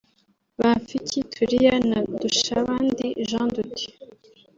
Bapfiki Tulia na Ndushabandi Jean de Dieu